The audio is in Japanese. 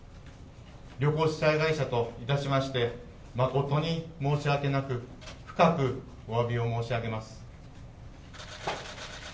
旅行主催会社といたしまして、誠に申し訳なく、深くおわびを申し上げます。